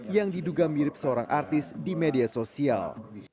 yang diduga mirip seorang artis di media sosial